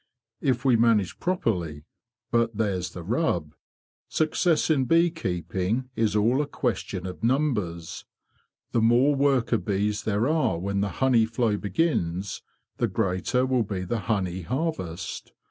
"Tf we managé properly. But there's the rub. Success in bee keeping is all a question of numbers. The more worker bees there are when the honey flow begins, the greater will be the honey harvest.